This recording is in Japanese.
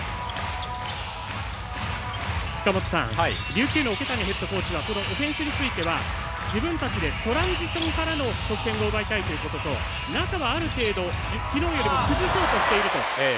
琉球の桶谷ヘッドコーチはこのオフェンスについては自分たちでトランジションからの得点を奪いたいということと中はある程度きのうよりも崩そうとしていると。